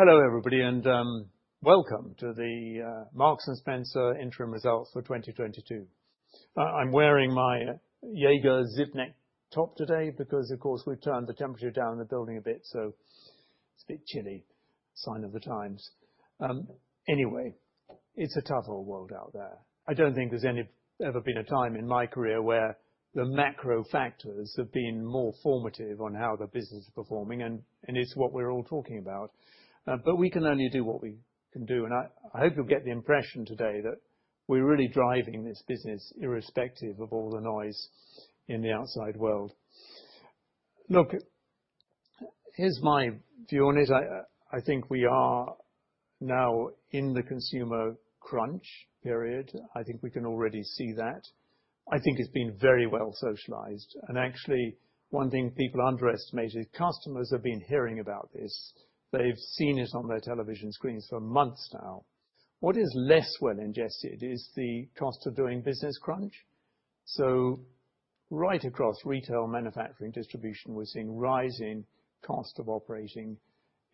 Hello, everybody, and welcome to the Marks & Spencer interim results for 2022. I'm wearing my Jaeger zip neck top today because, of course, we've turned the temperature down in the building a bit, so it's a bit chilly. Sign of the times. Anyway, it's a tough old world out there. I don't think there's ever been a time in my career where the macro factors have been more formative on how the business is performing, and it's what we're all talking about. We can only do what we can do, and I hope you'll get the impression today that we're really driving this business irrespective of all the noise in the outside world. Look, here's my view on it. I think we are now in the consumer crunch period. I think we can already see that. I think it's been very well socialized, and actually, one thing people underestimate is customers have been hearing about this. They've seen it on their television screens for months now. What is less well digested is the cost of doing business crunch. Right across retail and manufacturing distribution, we're seeing rising cost of operating.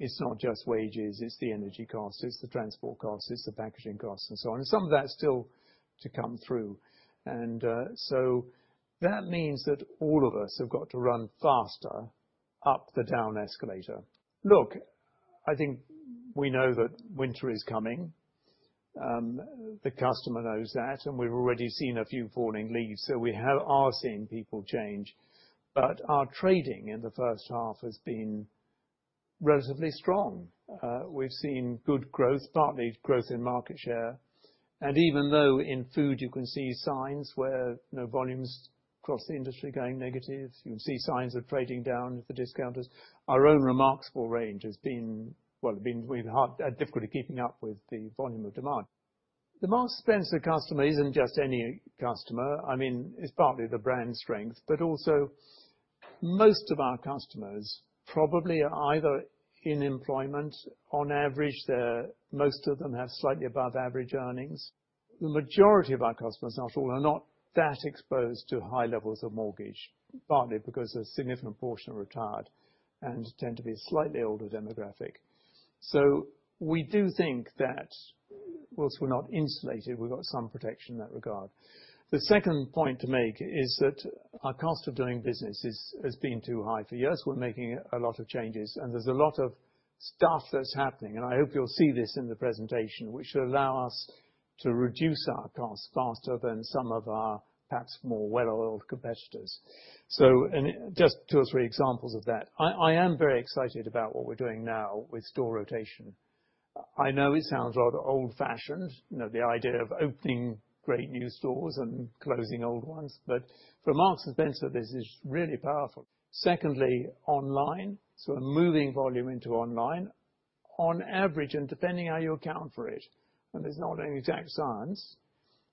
It's not just wages, it's the energy costs, it's the transport costs, it's the packaging costs and so on. Some of that is still to come through. That means that all of us have got to run faster up the down escalator. Look, I think we know that winter is coming. The customer knows that, and we've already seen a few falling leaves, so we are seeing people change. Our trading in the first half has been relatively strong. We've seen good growth, partly growth in market share. Even though in food you can see signs where, you know, volumes across the industry are going negative, you can see signs of trading down at the discounters. Our own Remarksable range has been, well, hard difficulty keeping up with the volume of demand. The Marks & Spencer customer isn't just any customer. I mean, it's partly the brand strength, but also most of our customers probably are either in employment on average. Most of them have slightly above average earnings. The majority of our customers, after all, are not that exposed to high levels of mortgage, partly because a significant portion are retired and tend to be a slightly older demographic. We do think that while we're not insulated, we've got some protection in that regard. The second point to make is that our cost of doing business is, has been too high. For years we're making a lot of changes and there's a lot of stuff that's happening, and I hope you'll see this in the presentation, which will allow us to reduce our costs faster than some of our perhaps more well-oiled competitors. Just two or three examples of that. I am very excited about what we're doing now with store rotation. I know it sounds rather old-fashioned, you know, the idea of opening great new stores and closing old ones. For Marks & Spencer, this is really powerful. Secondly, online, we're moving volume into online on average and depending on how you account for it, and there's not any exact science.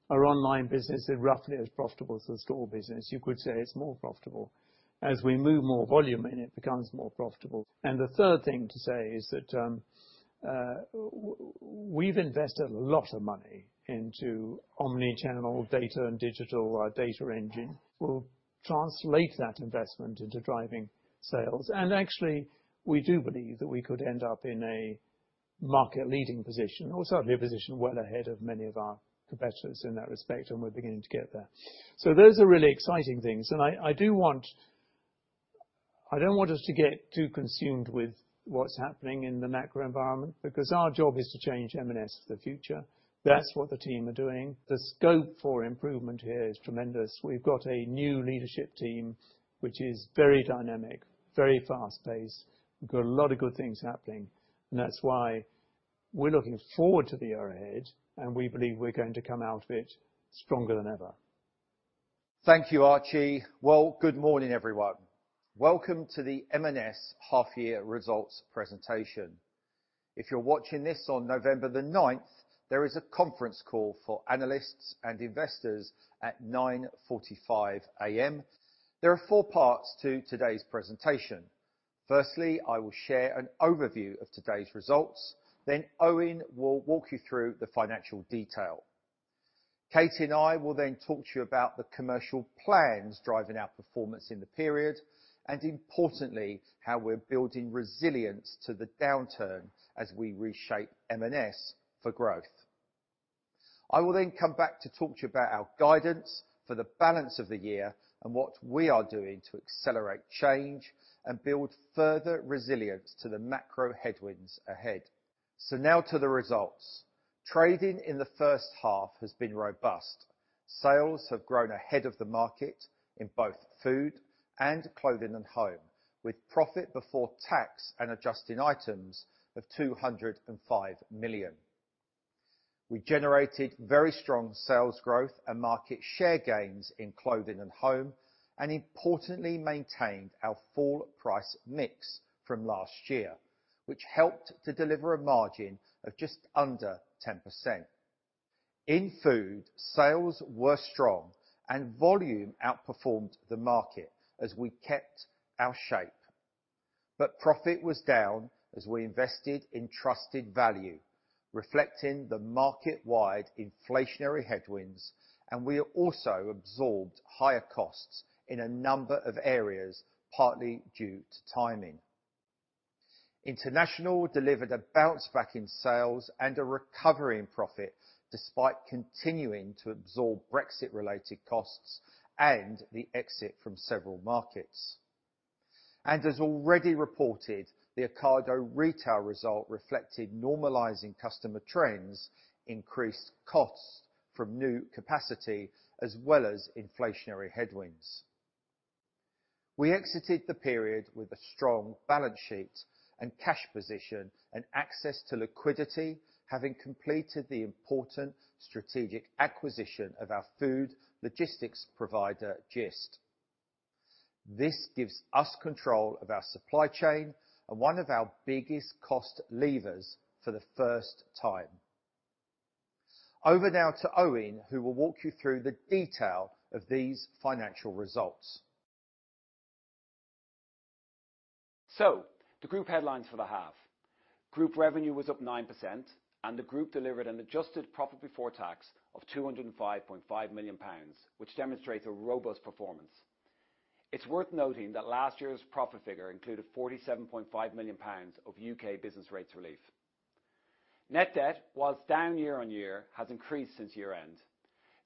Our online business is roughly as profitable as the store business. You could say it's more profitable. As we move more volume in, it becomes more profitable. The third thing to say is that we've invested a lot of money into omni-channel data and digital. Our data engine will translate that investment into driving sales. Actually, we do believe that we could end up in a market-leading position or certainly a position well ahead of many of our competitors in that respect, and we're beginning to get there. Those are really exciting things. I do want—I don't want us to get too consumed with what's happening in the macro environment, because our job is to change M&S for the future. That's what the team are doing. The scope for improvement here is tremendous. We've got a new leadership team which is very dynamic, very fast-paced. We've got a lot of good things happening, and that's why we're looking forward to the year ahead, and we believe we're going to come out of it stronger than ever. Thank you, Archie. Well, good morning, everyone. Welcome to the M&S half-year results presentation. If you're watching this on 9 November 2023, there is a conference call for analysts and investors at 9:45AM. There are four parts to today's presentation. Firstly, I will share an overview of today's results, then Eoin will walk you through the financial detail. Katie and I will then talk to you about the commercial plans driving our performance in the period, and importantly, how we're building resilience to the downturn as we reshape M&S for growth. I will then come back to talk to you about our guidance for the balance of the year and what we are doing to accelerate change and build further resilience to the macro headwinds ahead. Now to the results. Trading in the first half has been robust. Sales have grown ahead of the market in both food and clothing and home, with profit before tax and adjusting items of 205 million. We generated very strong sales growth and market share gains in clothing and home, and importantly, maintained our full price mix from last year, which helped to deliver a margin of just under 10%. In food, sales were strong and volume outperformed the market as we kept our shape. Profit was down as we invested in trusted value, reflecting the market-wide inflationary headwinds, and we have also absorbed higher costs in a number of areas, partly due to timing. International delivered a bounce back in sales and a recovery in profit despite continuing to absorb Brexit-related costs and the exit from several markets. As already reported, the Ocado Retail result reflected normalizing customer trends, increased costs from new capacity, as well as inflationary headwinds. We exited the period with a strong balance sheet and cash position and access to liquidity, having completed the important strategic acquisition of our food logistics provider, Gist. This gives us control of our supply chain and one of our biggest cost levers for the first time. Over now to Eoin, who will walk you through the detail of these financial results. The group headlines for the half. Group revenue was up 9% and the group delivered an adjusted profit before tax of 205.5 million pounds, which demonstrates a robust performance. It's worth noting that last year's profit figure included 47.5 million pounds of UK business rates relief. Net debt, while down year-over-year, has increased since year-end.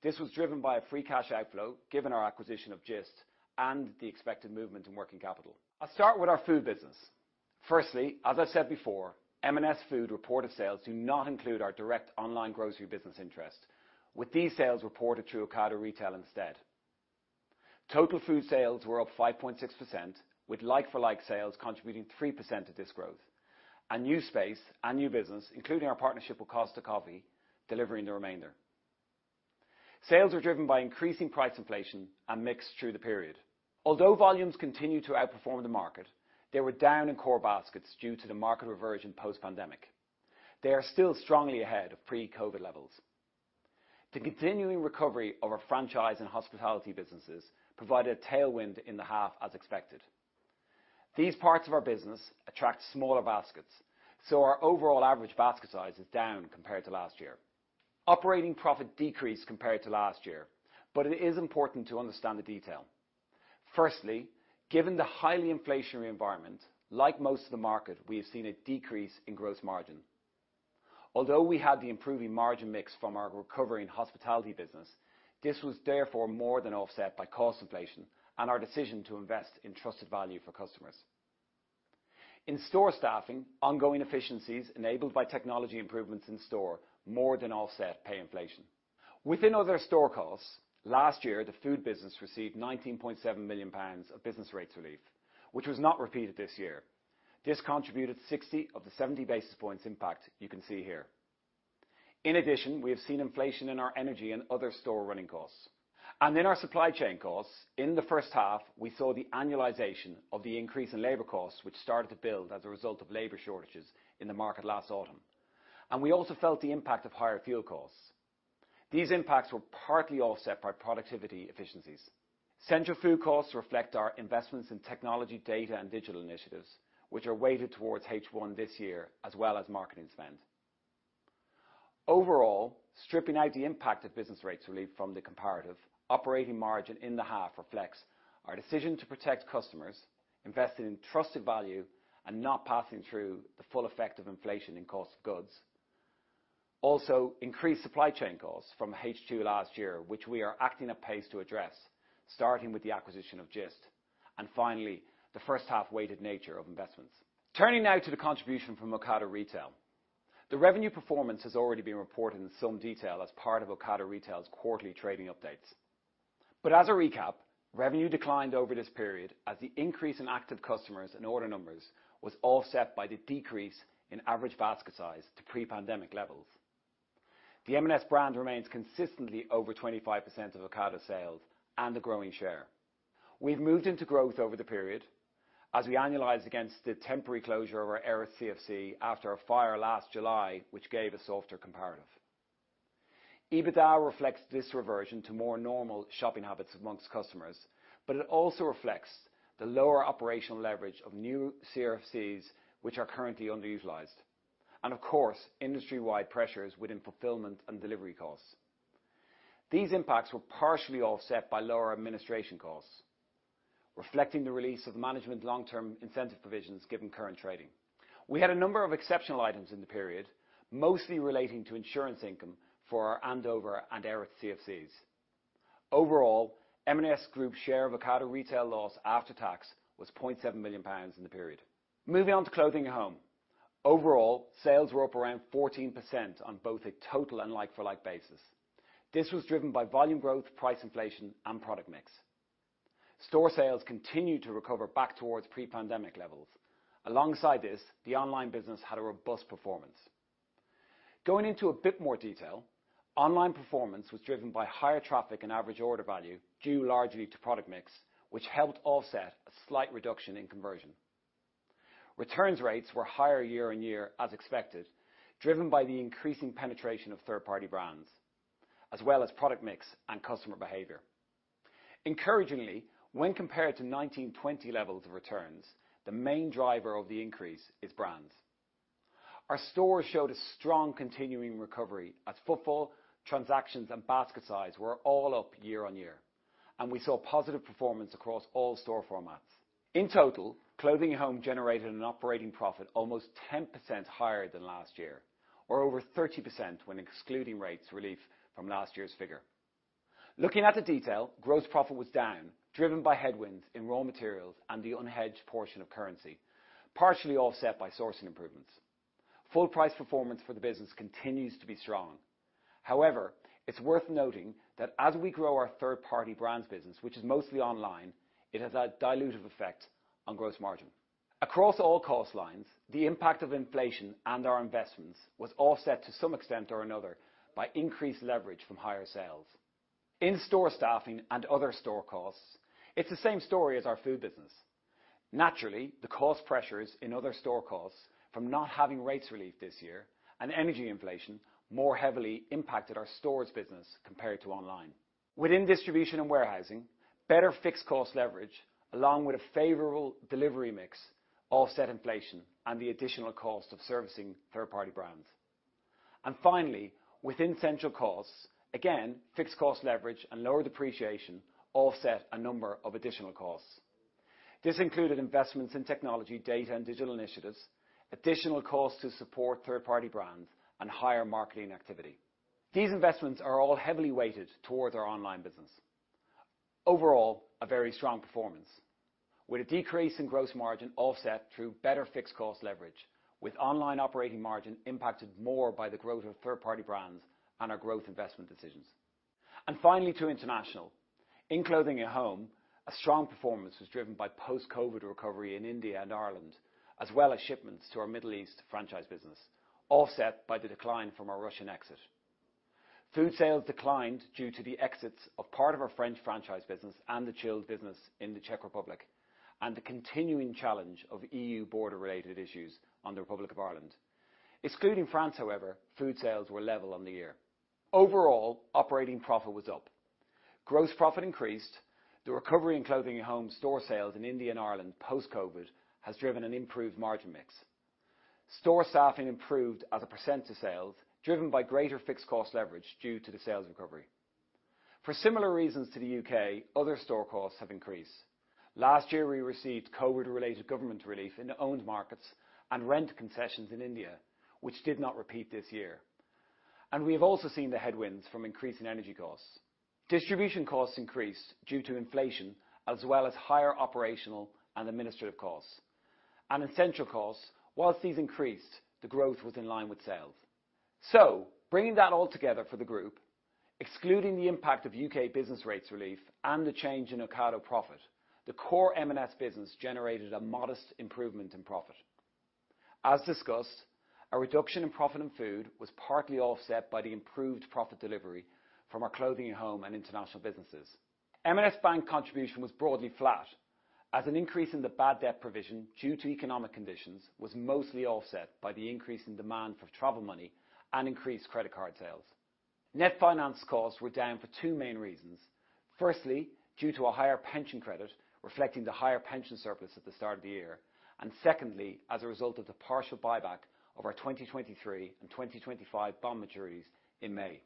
This was driven by a free cash outflow, given our acquisition of Gist and the expected movement in working capital. I'll start with our food business. Firstly, as I said before, M&S Food reported sales do not include our direct online grocery business interest. With these sales reported through Ocado Retail instead. Total food sales were up 5.6%, with like-for-like sales contributing 3% of this growth. New space and new business, including our partnership with Costa Coffee, delivering the remainder. Sales are driven by increasing price inflation and mix through the period. Although volumes continue to outperform the market, they were down in core baskets due to the market reversion post-pandemic. They are still strongly ahead of pre-COVID levels. The continuing recovery of our franchise and hospitality businesses provided a tailwind in the half as expected. These parts of our business attract smaller baskets, so our overall average basket size is down compared to last year. Operating profit decreased compared to last year, but it is important to understand the detail. Firstly, given the highly inflationary environment, like most of the market, we have seen a decrease in gross margin. Although we had the improving margin mix from our recovery in hospitality business, this was therefore more than offset by cost inflation and our decision to invest in trusted value for customers. In store staffing, ongoing efficiencies enabled by technology improvements in store more than offset pay inflation. Within other store costs, last year, the food business received 19.7 million pounds of business rates relief, which was not repeated this year. This contributed 60 of the 70-basis points impact you can see here. In addition, we have seen inflation in our energy and other store running costs. In our supply chain costs, in the first half, we saw the annualization of the increase in labor costs, which started to build as a result of labor shortages in the market last autumn. We also felt the impact of higher fuel costs. These impacts were partly offset by productivity efficiencies. Central food costs reflect our investments in technology data and digital initiatives, which are weighted towards first half this year, as well as marketing spend. Overall, stripping out the impact of business rates relief from the comparative operating margin in the half reflects our decision to protect customers, investing in trusted value, and not passing through the full effect of inflation in cost of goods. Also, increased supply chain costs from second half last year, which we are acting apace to address, starting with the acquisition of Gist. Finally, the first half-weighted nature of investments. Turning now to the contribution from Ocado Retail. The revenue performance has already been reported in some detail as part of Ocado Retail's quarterly trading updates. As a recap, revenue declined over this period as the increase in active customers and order numbers was offset by the decrease in average basket size to pre-pandemic levels. The M&S brand remains consistently over 25% of Ocado sales and a growing share. We've moved into growth over the period as we annualize against the temporary closure of our Erith CFC after a fire last July, which gave a softer comparative. EBITDA reflects this reversion to more normal shopping habits among customers, but it also reflects the lower operational leverage of new CFCs which are currently underutilized. Of course, industry-wide pressures within fulfillment and delivery costs. These impacts were partially offset by lower administration costs, reflecting the release of management long-term incentive provisions given current trading. We had a number of exceptional items in the period, mostly relating to insurance income for our Andover and Erith CFCs. Overall, M&S Group's share of Ocado Retail loss after tax was 0.7 million pounds in the period. Moving on to Clothing & Home. Overall, sales were up around 14% on both a total and like-for-like basis. This was driven by volume growth, price inflation, and product mix. Store sales continued to recover back towards pre-pandemic levels. Alongside this, the online business had a robust performance. Going into a bit more detail, online performance was driven by higher traffic and average order value, due largely to product mix, which helped offset a slight reduction in conversion. Returns rates were higher year-on-year as expected, driven by the increasing penetration of third-party brands, as well as product mix and customer behavior. Encouragingly, when compared to 2019 to 2020 levels of returns, the main driver of the increase is brands. Our stores showed a strong continuing recovery as footfall, transactions, and basket size were all up year-on-year. We saw positive performance across all store formats. In total, Clothing & Home generated an operating profit almost 10% higher than last year, or over 30% when excluding rates relief from last year's figure. Looking at the detail, gross profit was down, driven by headwinds in raw materials and the unhedged portion of currency, partially offset by sourcing improvements. Full price performance for the business continues to be strong. However, it's worth noting that as we grow our third-party brands business, which is mostly online, it has had dilutive effect on gross margin. Across all cost lines, the impact of inflation and our investments was offset to some extent or another by increased leverage from higher sales. In store staffing and other store costs, it's the same story as our Food business. Naturally, the cost pressures in other store costs from not having rates relief this year and energy inflation more heavily impacted our stores business compared to online. Within distribution and warehousing, better fixed cost leverage, along with a favorable delivery mix, offset inflation and the additional cost of servicing third-party brands. Finally, within central costs, again, fixed cost leverage and lower depreciation offset a number of additional costs. This included investments in technology, data, and digital initiatives, additional costs to support third-party brands, and higher marketing activity. These investments are all heavily weighted towards our online business. Overall, a very strong performance with a decrease in gross margin offset through better fixed cost leverage, with online operating margin impacted more by the growth of third-party brands and our growth investment decisions. Finally, to International. In Clothing & Home, a strong performance was driven by post-COVID recovery in India and Ireland, as well as shipments to our Middle East franchise business, offset by the decline from our Russian exit. Food sales declined due to the exits of part of our French franchise business and the chilled business in the Czech Republic, and the continuing challenge of EU border related issues on the Republic of Ireland. Excluding France, however, food sales were level on the year. Overall, operating profit was up. Gross profit increased. The recovery in Clothing & Home store sales in India and Ireland post-COVID has driven an improved margin mix. Store staffing improved as a percent of sales, driven by greater fixed cost leverage due to the sales recovery. For similar reasons to the UK, other store costs have increased. Last year, we received COVID-related government relief in owned markets and rent concessions in India, which did not repeat this year, and we have also seen the headwinds from increasing energy costs. Distribution costs increased due to inflation, as well as higher operational and administrative costs. In central costs, while these increased, the growth was in line with sales. Bringing that all together for the group, excluding the impact of UK business rates relief and the change in Ocado profit, the core M&S business generated a modest improvement in profit. As discussed, a reduction in profit in Food was partly offset by the improved profit delivery from our Clothing & Home and International businesses. M&S Bank contribution was broadly flat as an increase in the bad debt provision due to economic conditions was mostly offset by the increase in demand for travel money and increased credit card sales. Net finance costs were down for two main reasons. Firstly, due to a higher pension credit reflecting the higher pension surplus at the start of the year. Secondly, as a result of the partial buyback of our 2023 and 2025 bond maturities in May.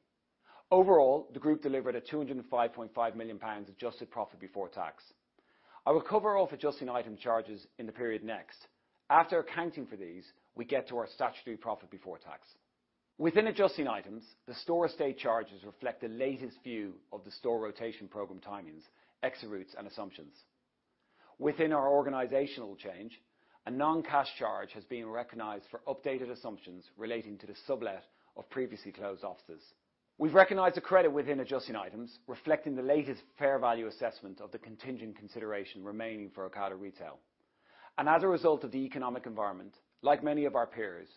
Overall, the group delivered a 205.5 million pounds adjusted profit before tax. I will cover off adjusting item charges in the period next. After accounting for these, we get to our statutory profit before tax. Within adjusting items, the store estate charges reflect the latest view of the store rotation program timings, exit routes, and assumptions. Within our organizational change, a non-cash charge has been recognized for updated assumptions relating to the sublet of previously closed offices. We've recognized a credit within adjusting items, reflecting the latest fair value assessment of the contingent consideration remaining for Ocado Retail. As a result of the economic environment, like many of our peers,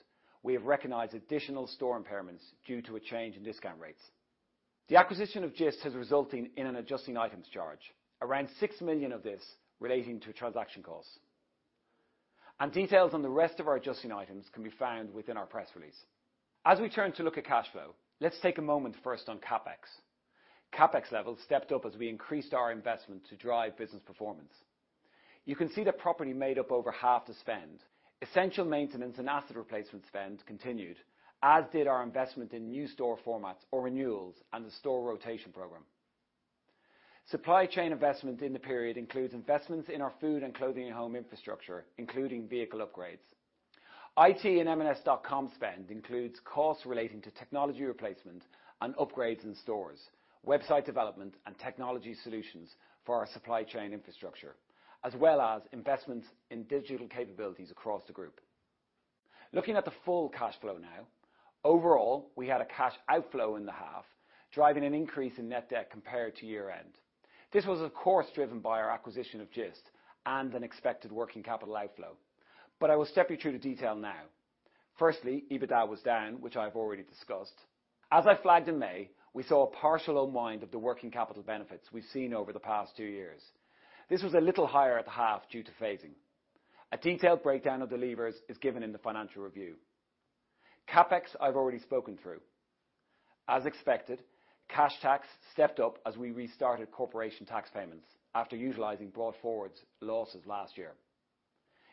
we have recognized additional store impairments due to a change in discount rates. The acquisition of Gist has resulted in an adjusting items charge. Around 6 million of this relating to transaction costs. Details on the rest of our adjusting items can be found within our press release. As we turn to look at cash flow, let's take a moment first on CapEx. CapEx levels stepped up as we increased our investment to drive business performance. You can see that property made up over half the spend. Essential maintenance and asset replacement spend continued, as did our investment in new store formats or renewals and the store rotation program. Supply chain investment in the period includes investments in our Food and Clothing & Home infrastructure, including vehicle upgrades. IT and M&S.com spend includes costs relating to technology replacement and upgrades in stores, website development, and technology solutions for our supply chain infrastructure, as well as investments in digital capabilities across the group. Looking at the full cash flow now. Overall, we had a cash outflow in the half, driving an increase in net debt compared to year-end. This was of course, driven by our acquisition of Gist and an expected working capital outflow. I will step you through the detail now. Firstly, EBITDA was down, which I've already discussed. As I flagged in May, we saw a partial unwind of the working capital benefits we've seen over the past two years. This was a little higher at the half due to phasing. A detailed breakdown of the levers is given in the financial review. CapEx, I've already spoken through. As expected, cash tax stepped up as we restarted corporation tax payments after utilizing brought forward losses last year.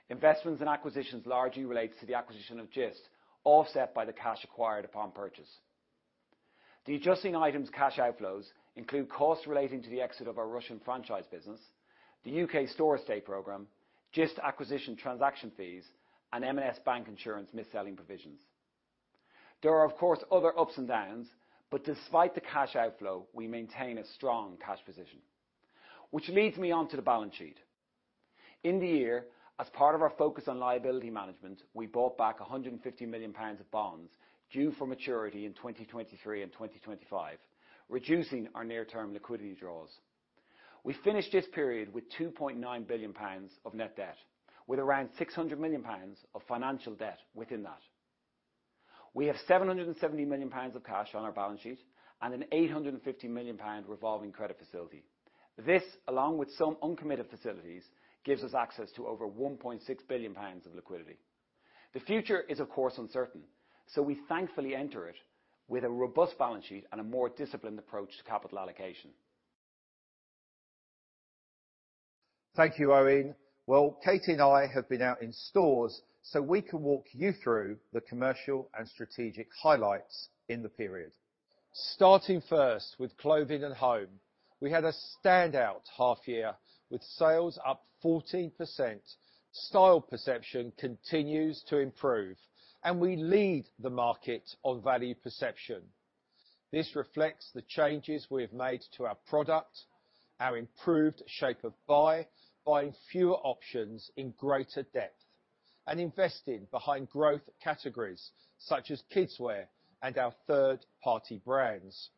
Investments in acquisitions largely relates to the acquisition of Gist, offset by the cash acquired upon purchase. The adjusting items cash outflows include costs relating to the exit of our Russian franchise business, the UK store estate program, Gist acquisition transaction fees, and M&S Bank insurance mis-selling provisions. There are, of course, other ups and downs, but despite the cash outflow, we maintain a strong cash position. Which leads me onto the balance sheet. In the year, as part of our focus on liability management, we bought back 150 million pounds of bonds due for maturity in 2023 and 2025, reducing our near-term liquidity draws. We finished this period with 2.9 billion pounds of net debt, with around 600 million pounds of financial debt within that. We have 770 million pounds of cash on our balance sheet and a 850 million pound revolving credit facility. This, along with some uncommitted facilities, gives us access to over 1.6 billion pounds of liquidity. The future is, of course, uncertain, so we thankfully enter it with a robust balance sheet and a more disciplined approach to capital allocation. Thank you, Eoin. Well, Katie and I have been out in stores so we can walk you through the commercial and strategic highlights in the period. Starting first with Clothing & Home, we had a standout half year with sales up 14%. Style perception continues to improve, and we lead the market on value perception. This reflects the changes we have made to our product, our improved shape of buy, buying fewer options in greater depth and investing behind growth categories such as kidswear and our third-party brands.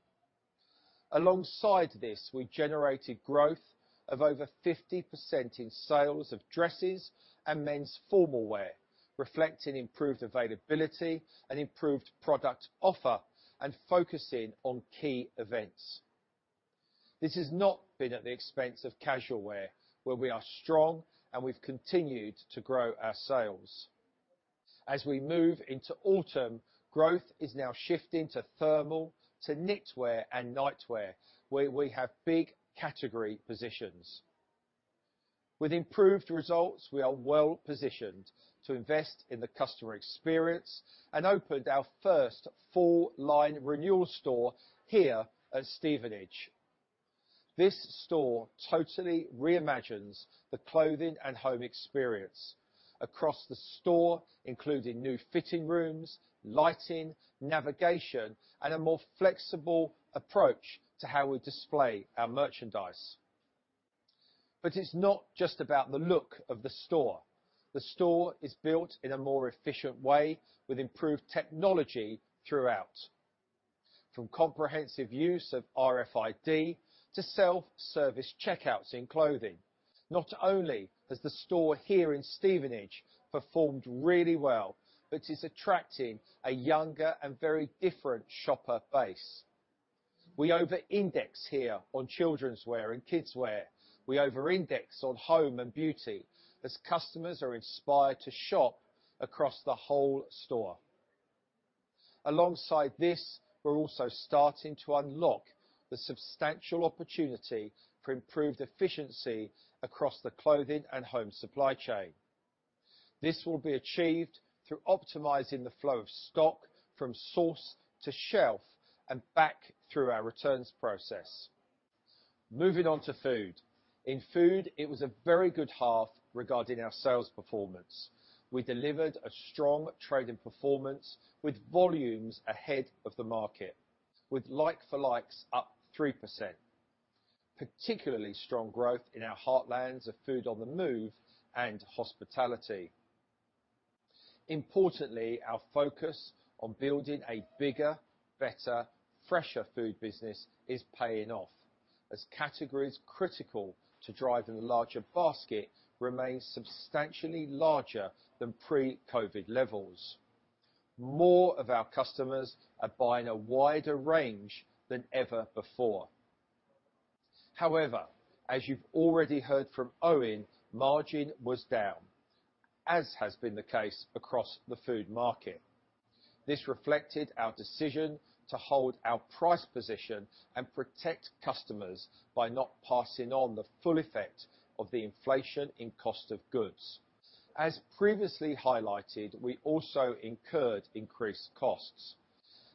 Alongside this, we generated growth of over 50% in sales of dresses and men's formal wear, reflecting improved availability and improved product offer and focusing on key events. This has not been at the expense of casual wear, where we are strong and we've continued to grow our sales. As we move into autumn, growth is now shifting to thermal, to knitwear and nightwear, where we have big category positions. With improved results, we are well-positioned to invest in the customer experience and opened our first full-line renewal store here at Stevenage. This store totally reimagines the clothing and home experience across the store, including new fitting rooms, lighting, navigation, and a more flexible approach to how we display our merchandise. It's not just about the look of the store. The store is built in a more efficient way with improved technology throughout, from comprehensive use of RFID to self-service checkouts in clothing. Not only has the store here in Stevenage performed really well, but it's attracting a younger and very different shopper base. We over-index here on children's wear and kids wear. We over-index on home and beauty as customers are inspired to shop across the whole store. Alongside this, we're also starting to unlock the substantial opportunity for improved efficiency across the clothing and home supply chain. This will be achieved through optimizing the flow of stock from source to shelf and back through our returns process. Moving on to food. In food, it was a very good half regarding our sales performance. We delivered a strong trading performance with volumes ahead of the market, with like-for-likes up 3%. Particularly strong growth in our heartlands of food on the move and hospitality. Importantly, our focus on building a bigger, better, fresher food business is paying off as categories critical to driving the larger basket remain substantially larger than pre-COVID levels. More of our customers are buying a wider range than ever before. However, as you've already heard from Eoin, margin was down, as has been the case across the food market. This reflected our decision to hold our price position and protect customers by not passing on the full effect of the inflation in cost of goods. As previously highlighted, we also incurred increased costs.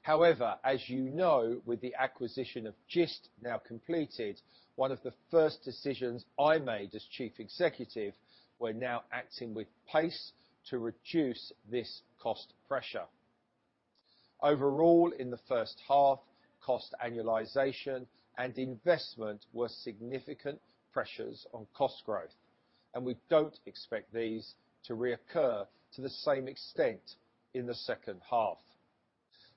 However, as you know, with the acquisition of Gist now completed, one of the first decisions I made as chief executive, we're now acting with pace to reduce this cost pressure. Overall, in the first half, cost annualization and investment were significant pressures on cost growth, and we don't expect these to reoccur to the same extent in the second half.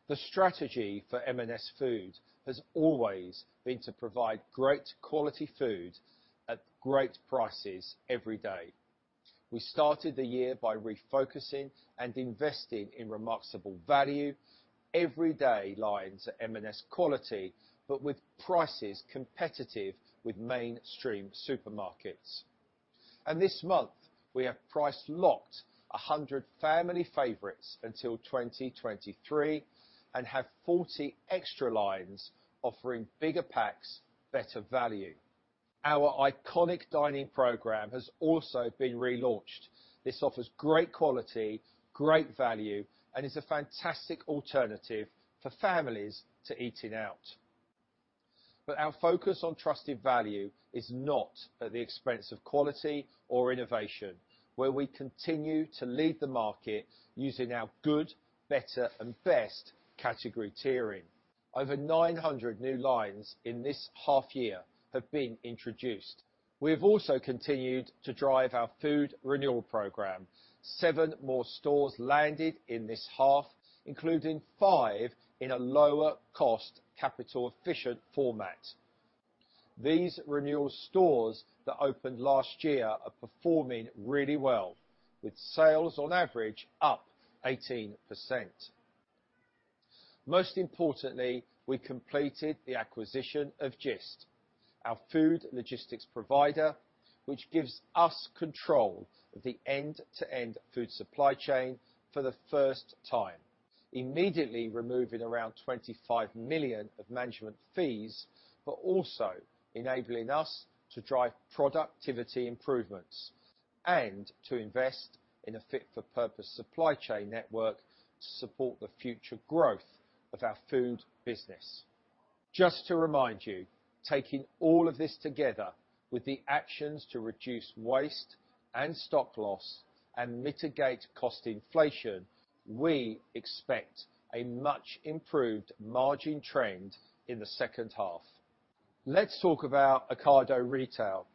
The strategy for M&S Food has always been to provide great quality food at great prices every day. We started the year by refocusing and investing in Remarksable Value everyday lines at M&S quality, but with prices competitive with mainstream supermarkets. This month, we have price locked 100 family favorites until 2023, and have 40 extra lines offering bigger packs, better value. Our iconic dining program has also been relaunched. This offers great quality, great value, and is a fantastic alternative for families to eating out. Our focus on trusted value is not at the expense of quality or innovation, where we continue to lead the market using our good, better, and best category tiering. Over 900 new lines in this half year have been introduced. We have also continued to drive our food renewal program. Seven more stores landed in this half, including five in a lower cost capital efficient format. These renewal stores that opened last year are performing really well, with sales on average up 18%. Most importantly, we completed the acquisition of Gist, our food logistics provider, which gives us control of the end-to-end food supply chain for the first time, immediately removing around 25 million of management fees, but also enabling us to drive productivity improvements and to invest in a fit for purpose supply chain network to support the future growth of our food business. Just to remind you, taking all of this together with the actions to reduce waste and stock loss and mitigate cost inflation, we expect a much-improved margin trend in the second half. Let's talk about Ocado Retail.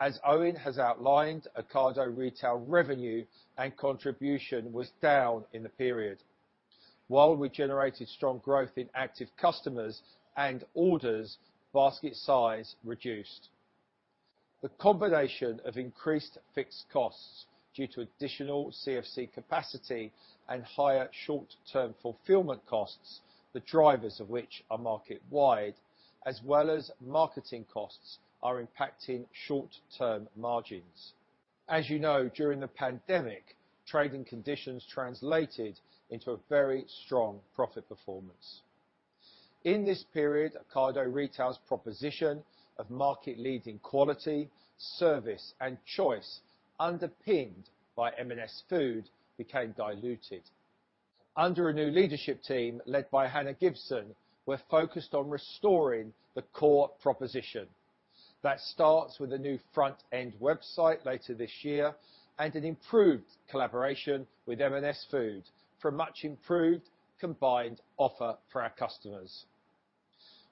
As Eoin has outlined, Ocado Retail revenue and contribution was down in the period. While we generated strong growth in active customers and orders, basket size reduced. The combination of increased fixed costs due to additional CFC capacity and higher short-term fulfillment costs, the drivers of which are market-wide, as well as marketing costs are impacting short-term margins. As you know, during the pandemic, trading conditions translated into a very strong profit performance. In this period, Ocado Retail's proposition of market-leading quality, service, and choice underpinned by M&S Food became diluted. Under a new leadership team led by Hannah Gibson, we're focused on restoring the core proposition. That starts with a new front-end website later this year and an improved collaboration with M&S Food for a much-improved combined offer for our customers.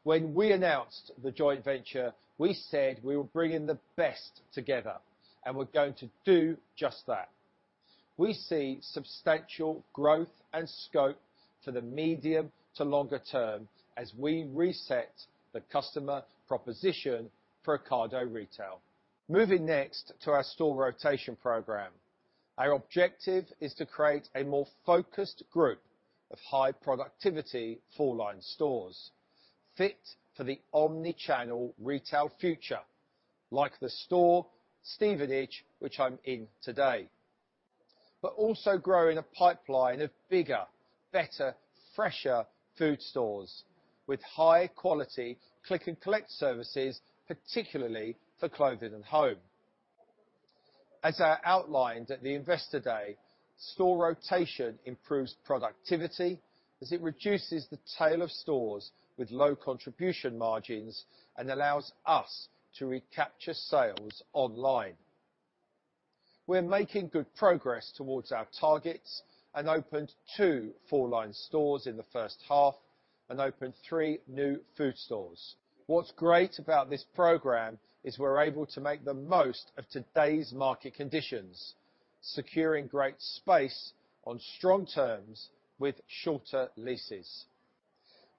When we announced the joint venture, we said we were bringing the best together, and we're going to do just that. We see substantial growth and scope to the medium- to longer-term as we reset the customer proposition for Ocado Retail. Moving next to our store rotation program. Our objective is to create a more focused group of high productivity full-line stores fit for the omni-channel retail future, like the store, Stevenage, which I'm in today. Also grow in a pipeline of bigger, better, fresher food stores with high-quality click and collect services, particularly for clothing and home. As I outlined at the Investor Day, store rotation improves productivity as it reduces the tail of stores with low contribution margins and allows us to recapture sales online. We're making good progress towards our targets and opened two full-line stores in the first half and opened three new food stores. What's great about this program is we're able to make the most of today's market conditions, securing great space on strong terms with shorter leases.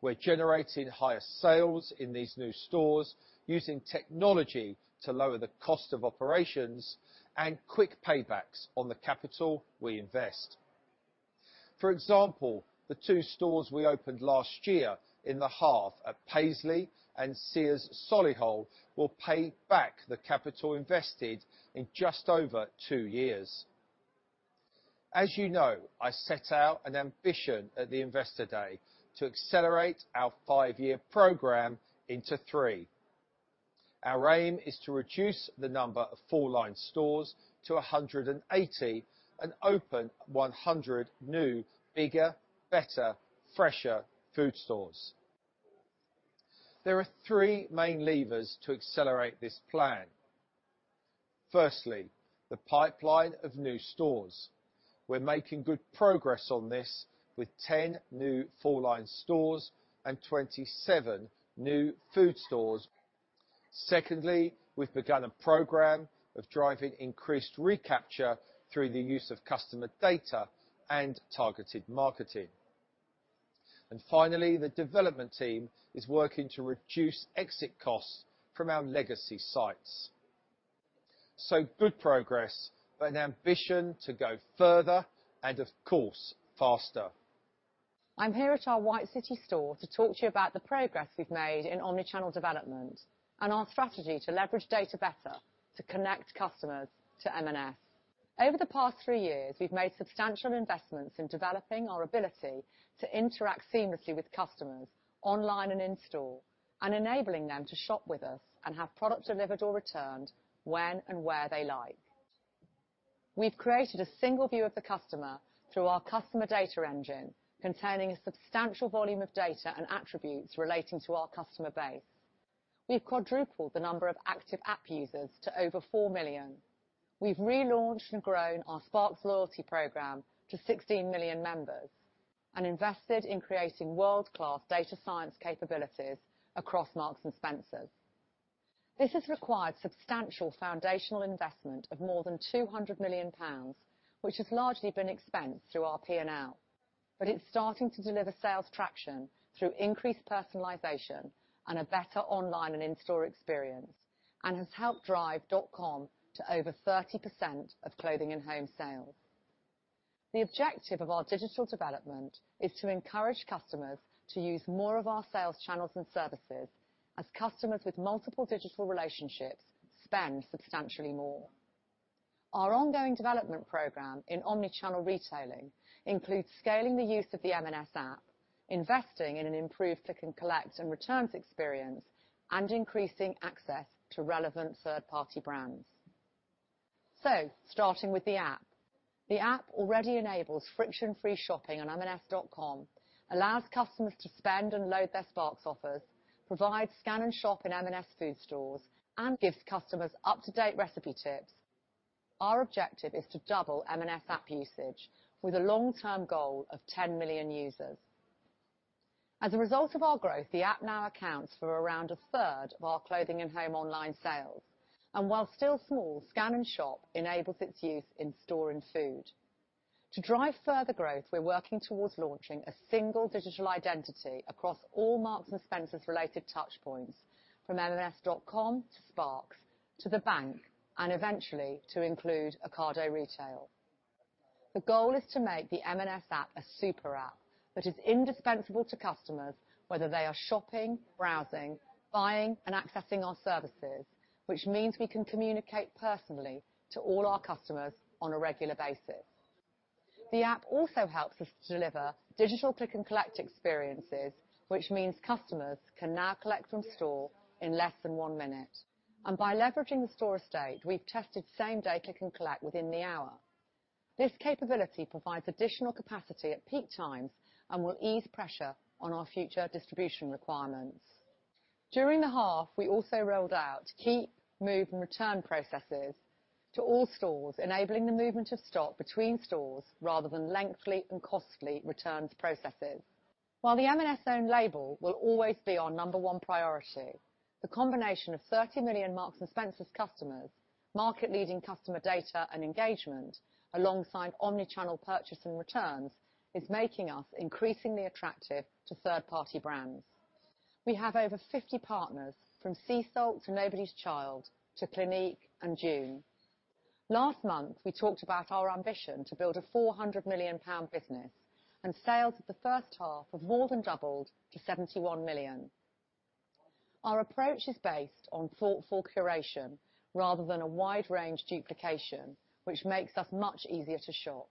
We're generating higher sales in these new stores using technology to lower the cost of operations and quick paybacks on the capital we invest. For example, the two stores we opened last year in the half at Paisley and Sears Retail Park, Solihull will pay back the capital invested in just over two years. As you know, I set out an ambition at the Investor Day to accelerate our five-year program into three. Our aim is to reduce the number of full-line stores to 180 and open 100 new bigger, better, fresher food stores. There are three main levers to accelerate this plan. Firstly, the pipeline of new stores. We're making good progress on this with 10 new full-line stores and 27 new food stores. Secondly, we've begun a program of driving increased recapture through the use of customer data and targeted marketing. Finally, the development team is working to reduce exit costs from our legacy sites. Good progress, but an ambition to go further and of course, faster. I'm here at our White City store to talk to you about the progress we've made in omni-channel development and our strategy to leverage data better to connect customers to M&S. Over the past three years, we've made substantial investments in developing our ability to interact seamlessly with customers online and in store, and enabling them to shop with us and have product delivered or returned when and where they like. We've created a single view of the customer through our customer data engine, containing a substantial volume of data and attributes relating to our customer base. We've quadrupled the number of active app users to over 4 million. We've relaunched and grown our Sparks loyalty program to 16 million members and invested in creating world-class data science capabilities across Marks & Spencer's. This has required substantial foundational investment of more than 200 million pounds, which has largely been expensed through our P&L. It's starting to deliver sales traction through increased personalization and a better online and in-store experience, and has helped drive dot-com to over 30% of clothing and home sales. The objective of our digital development is to encourage customers to use more of our sales channels and services, as customers with multiple digital relationships spend substantially more. Our ongoing development program in omni-channel retailing includes scaling the use of the M&S app, investing in an improved click and collect and returns experience, and increasing access to relevant third-party brands. Starting with the app. The app already enables friction-free shopping on M&S.com, allows customers to spend and load their Sparks offers, provide scan and shop in M&S food stores, and gives customers up-to-date recipe tips. Our objective is to double M&S app usage with a long-term goal of 10 million users. As a result of our growth, the app now accounts for around a third of our clothing and home online sales, and while still small, scan and shop enables its use in store and food. To drive further growth, we're working towards launching a single digital identity across all Marks & Spencer's related touchpoints from M&S.com to Sparks to the bank, and eventually to include Ocado Retail. The goal is to make the M&S app a super app that is indispensable to customers, whether they are shopping, browsing, buying, and accessing our services, which means we can communicate personally to all our customers on a regular basis. The app also helps us to deliver digital click and collect experiences, which means customers can now collect from store in less than one minute, and by leveraging the store estate, we've tested same-day click and collect within the hour. This capability provides additional capacity at peak times and will ease pressure on our future distribution requirements. During the half, we also rolled out keep, move, and return processes to all stores, enabling the movement of stock between stores rather than lengthy and costly returns processes. While the M&S own label will always be our number one priority, the combination of 30 million Marks & Spencer's customers, market leading customer data and engagement alongside omni-channel purchase and returns is making us increasingly attractive to third-party brands. We have over 50 partners from Seasalt to Nobody's Child to Clinique and Joules. Last month, we talked about our ambition to build a GBP 400 million business and sales for the first half have more than doubled to GBP 71 million. Our approach is based on thoughtful curation rather than a wide range duplication, which makes us much easier to shop.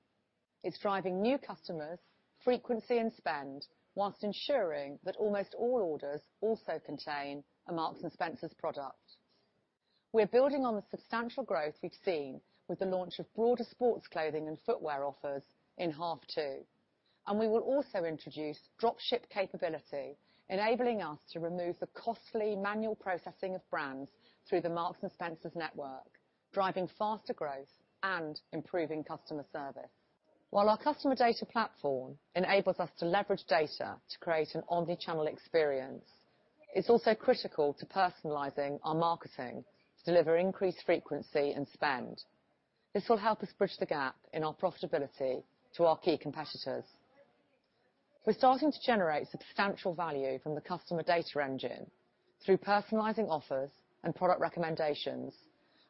It's driving new customers frequency and spend while ensuring that almost all orders also contain a Marks & Spencer's product. We're building on the substantial growth we've seen with the launch of broader sports clothing and footwear offers in half two, and we will also introduce drop ship capability, enabling us to remove the costly manual processing of brands through the Marks & Spencer's network, driving faster growth and improving customer service. While our customer data platform enables us to leverage data to create an omni-channel experience, it's also critical to personalizing our marketing to deliver increased frequency and spend. This will help us bridge the gap in our profitability to our key competitors. We're starting to generate substantial value from the customer data engine through personalizing offers and product recommendations,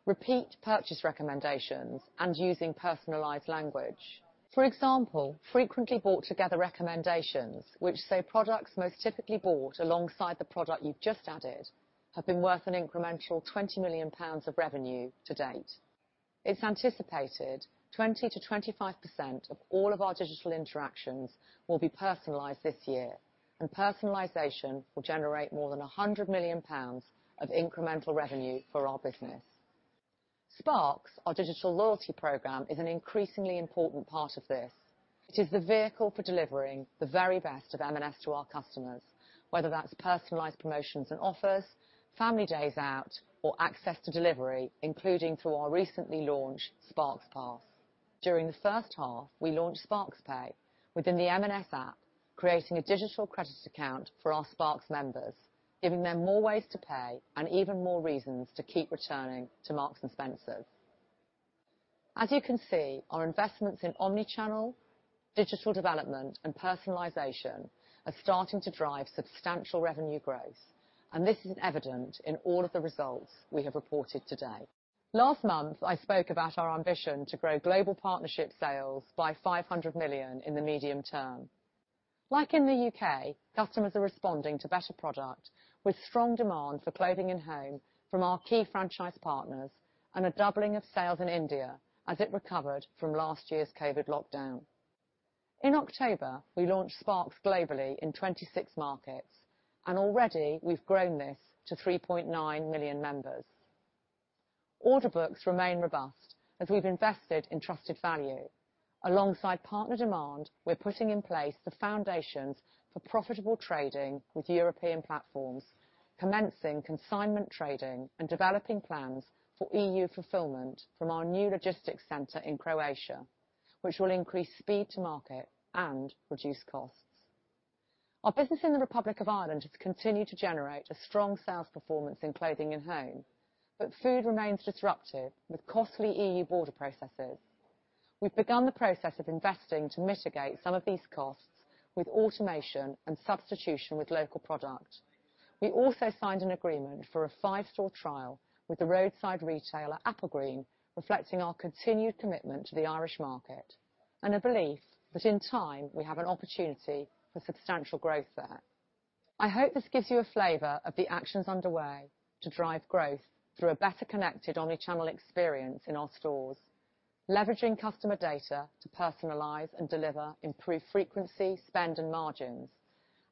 repeat purchase recommendations, and using personalized language. For example, frequently bought together recommendations which say products most typically bought alongside the product you've just added have been worth an incremental 20 million pounds of revenue to date. It's anticipated 20% to 25% of all of our digital interactions will be personalized this year, and personalization will generate more than 100 million pounds of incremental revenue for our business. Sparks, our digital loyalty program, is an increasingly important part of this. It is the vehicle for delivering the very best of M&S to our customers, whether that's personalized promotions and offers, family days out, or access to delivery, including through our recently launched Sparks Pass. During the first half, we launched Sparks Pay within the M&S app, creating a digital credit account for our Sparks members, giving them more ways to pay and even more reasons to keep returning to Marks & Spencer. As you can see, our investments in omni-channel, digital development, and personalization are starting to drive substantial revenue growth, and this is evident in all of the results we have reported today. Last month, I spoke about our ambition to grow global partnership sales by 500 million in the medium term. Like in the UK, customers are responding to better product, with strong demand for clothing and home from our key franchise partners, and a doubling of sales in India as it recovered from last year's COVID lockdown. In October, we launched Sparks globally in 26 markets, and already we've grown this to 3.9 million members. Order books remain robust as we've invested in trusted value. Alongside partner demand, we're putting in place the foundations for profitable trading with European platforms, commencing consignment trading and developing plans for EU fulfillment from our new logistics center in Croatia, which will increase speed to market and reduce costs. Our business in the Republic of Ireland has continued to generate a strong sales performance in clothing and home, but food remains disruptive, with costly EU border processes. We've begun the process of investing to mitigate some of these costs with automation and substitution with local product. We also signed an agreement for a five-store trial with the roadside retailer Applegreen, reflecting our continued commitment to the Irish market and a belief that in time we have an opportunity for substantial growth there. I hope this gives you a flavor of the actions underway to drive growth through a better connected omni-channel experience in our stores, leveraging customer data to personalize and deliver improved frequency, spend, and margins,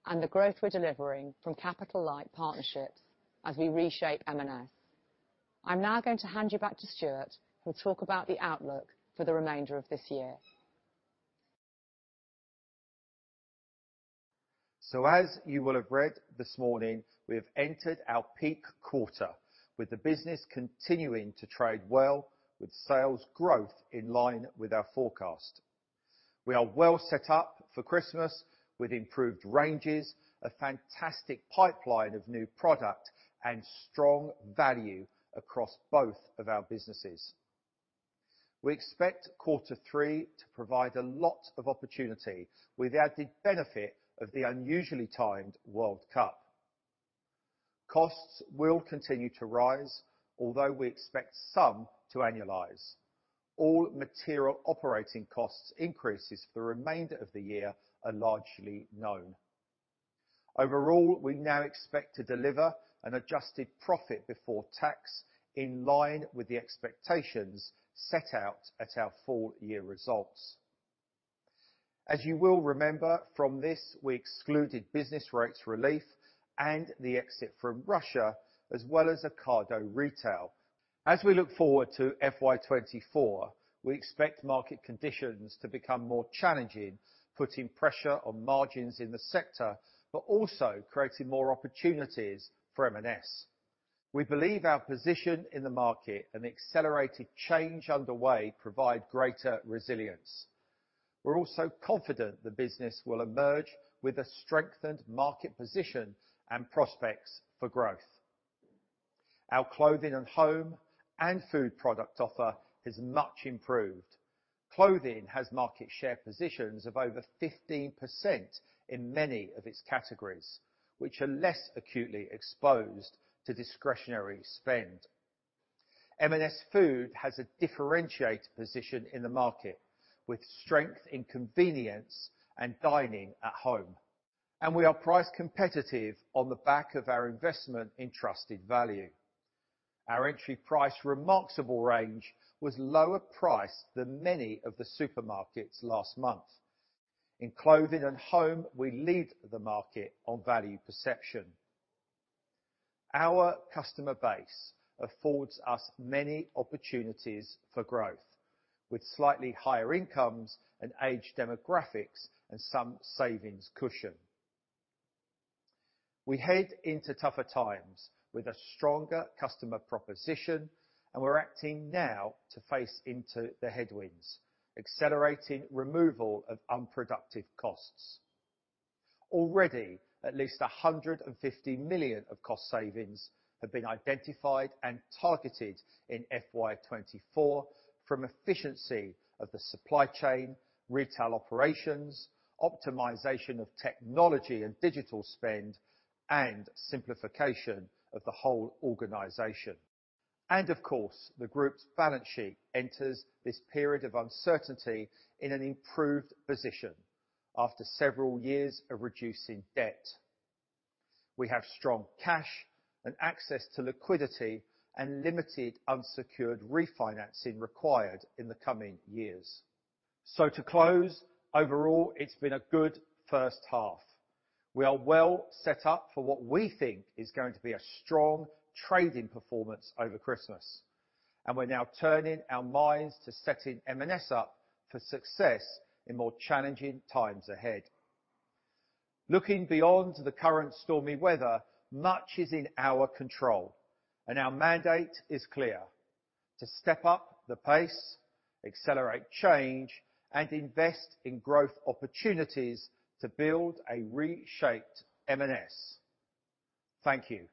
and the growth we're delivering from capital-light partnerships as we reshape M&S. I'm now going to hand you back to Stuart, who'll talk about the outlook for the remainder of this year. As you will have read this morning, we have entered our peak quarter, with the business continuing to trade well with sales growth in line with our forecast. We are well set up for Christmas with improved ranges, a fantastic pipeline of new product, and strong value across both of our businesses. We expect quarter three to provide a lot of opportunity with the added benefit of the unusually timed World Cup. Costs will continue to rise, although we expect some to annualize. All material operating costs increases for the remainder of the year are largely known. Overall, we now expect to deliver an adjusted profit before tax in line with the expectations set out at our full year results. As you will remember from this, we excluded business rates relief and the exit from Russia, as well as Ocado Retail. As we look forward to fiscal year 2024, we expect market conditions to become more challenging, putting pressure on margins in the sector, but also creating more opportunities for M&S. We believe our position in the market and the accelerated change underway provide greater resilience. We're also confident the business will emerge with a strengthened market position and prospects for growth. Our Clothing & Home and food product offer is much improved. Clothing has market share positions of over 15% in many of its categories, which are less acutely exposed to discretionary spend. M&S Food has a differentiated position in the market, with strength in convenience and dining at home. We are price competitive on the back of our investment in trusted value. Our entry price Remarksable range was lower priced than many of the supermarkets last month. In Clothing & Home, we lead the market on value perception. Our customer base affords us many opportunities for growth, with slightly higher incomes and age demographics and some savings cushion. We head into tougher times with a stronger customer proposition, and we're acting now to face into the headwinds, accelerating removal of unproductive costs. Already, at least 150 million of cost savings have been identified and targeted in fiscal year 2024 from efficiency of the supply chain, retail operations, optimization of technology and digital spend, and simplification of the whole organization. Of course, the group's balance sheet enters this period of uncertainty in an improved position after several years of reducing debt. We have strong cash and access to liquidity and limited unsecured refinancing required in the coming years. To close, overall, it's been a good first half. We are well set up for what we think is going to be a strong trading performance over Christmas, and we're now turning our minds to setting M&S up for success in more challenging times ahead. Looking beyond the current stormy weather, much is in our control, and our mandate is clear. To step up the pace, accelerate change, and invest in growth opportunities to build a reshaped M&S. Thank you.